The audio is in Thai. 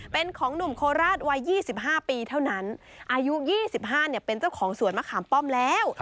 เป็นของหนุ่มโคราชวัย๒๕ปีเท่านั้นอายุ๒๕เป็นเจ้าของสวนมะขามป้อมแล้ว